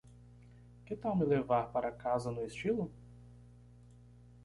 Que tal me levar para casa no estilo?